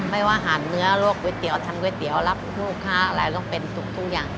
ไม่ว่าหันเนื้อลวกก๋วยเตี๋ยวทำก๋วยเตี๋ยวรับลูกค้าอะไรต้องเป็นทุกอย่าง